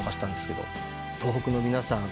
東北の皆さん